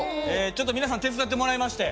ちょっと皆さん手伝ってもらいまして。